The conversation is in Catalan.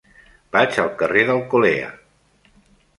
Vaig al carrer d'Alcolea.